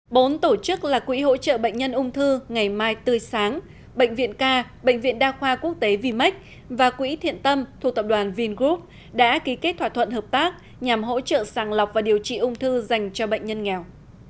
bốn tổ chức là quỹ hỗ trợ bệnh nhân ung thư ngày mai tươi sáng bệnh viện ca bệnh viện đa khoa quốc tế vimec và quỹ thiện tâm thuộc tập đoàn vingroup đã ký kết thỏa thuận hợp tác nhằm hỗ trợ sàng lọc và điều trị ung thư dành cho bệnh nhân nghèo